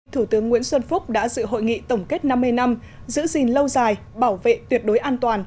thủ tướng nguyễn xuân phúc đã dự hội nghị tổng kết năm mươi năm giữ gìn lâu dài bảo vệ tuyệt đối an toàn